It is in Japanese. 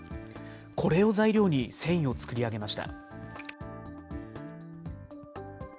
これを材料に繊維を作り上げました。